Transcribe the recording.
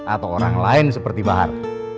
atau orang lain seperti bahar